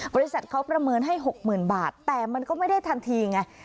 บริษัทเขาประเมินให้๖๐๐๐บาทแต่มันก็ไม่ได้ทันทีไง